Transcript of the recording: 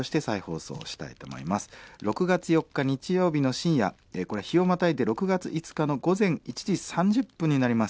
６月４日日曜日の深夜これは日をまたいで６月５日の午前１時３０分になります。